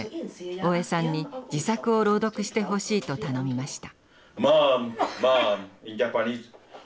大江さんに自作を朗読してほしいと頼みました。